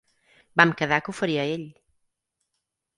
Vam quedar que ho faria ell.